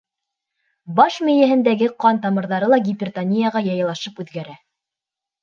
Баш мейеһендәге ҡан тамырҙары ла гипертонияға яйлашып үҙгәрә.